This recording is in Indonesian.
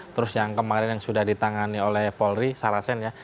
terus yang kemarin yang sudah ditangani oleh polri sarasen ya